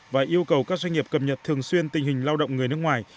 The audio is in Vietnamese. và yêu cầu các doanh nghiệp cập nhật thường xuyên tình hình lao động người nước ngoài